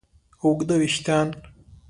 اوږده وېښتیان